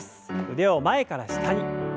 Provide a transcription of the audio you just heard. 腕を前から下に。